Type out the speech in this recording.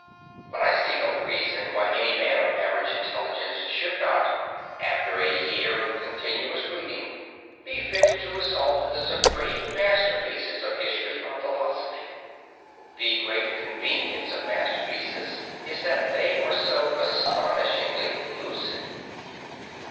But I see no reason why any man of average intelligence should not, after a year of continuous reading, be fit to assault the supreme masterpieces of history or philosophy. The great convenience of masterpieces is that they are so astonishingly lucid.